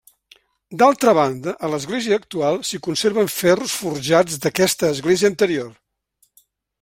D'altra banda, a l'església actual s'hi conserven ferros forjats d'aquesta església anterior.